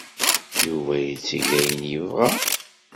Yuba itteg ayen ay yebɣa.